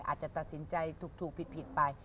อาจจะตัดสินใจถูกผิดไป